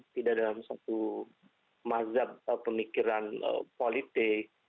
tidak dalam satu mazhab pemikiran politik